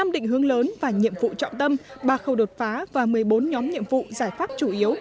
năm định hướng lớn và nhiệm vụ trọng tâm ba khâu đột phá và một mươi bốn nhóm nhiệm vụ giải pháp chủ yếu